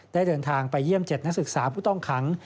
ได้เดินทางไปเยี่ยมเจ็ดนักศึกษาผู้ต้องค้าง